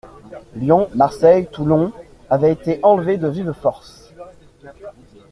Lyon, Marseille, Toulon avaient été enlevés de vive force.